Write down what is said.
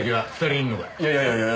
いやいやいやいや。